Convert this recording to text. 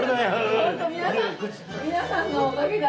本当皆さん皆さんのおかげで。